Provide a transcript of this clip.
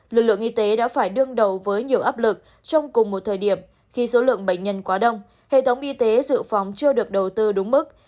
lực lượng y tế đã phải đương đầu với nhiều áp lực trong cùng một thời điểm khi số lượng bệnh nhân quá đông hệ thống y tế dự phòng chưa được đầu tư đúng mức